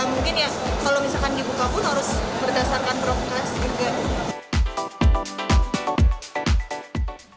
mungkin ya kalau misalkan dibuka pun harus berdasarkan progres juga